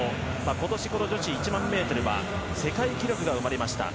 今年、この女子１００００ｍは世界記録が生まれました。